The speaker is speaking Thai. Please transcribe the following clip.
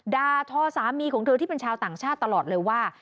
ดาทอสามีของเธอที่เป็นชาวต่างชาติตลอดเลยว่า